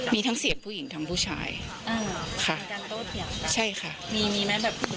มีธุระวงไข้ขอให้คนช่วยแบบนี้ไหม